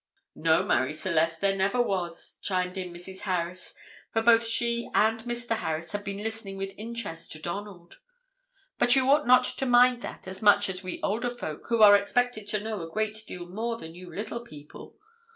"No, Marie Celeste, there never was," chimed in Mrs. Harris; for both she and Mr. Harris had been listening with interest to Donald; "but you ought not to mind that as much as we older folks, who are expected to know a great deal more than you little people.